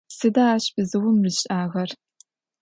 Сыда ащ бзыум ришӏагъэр?